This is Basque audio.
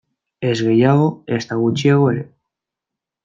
Ez gehiago, ezta gutxiago ere.